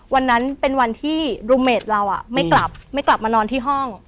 วันนั้นเป็นวันที่รูเมดเราไม่กลับไม่กลับมานอนที่ห้อง